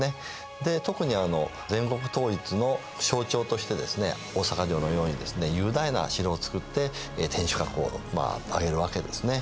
で特に全国統一の象徴としてですね大坂城のようにですね雄大な城を造って天守閣をまあ上げるわけですね。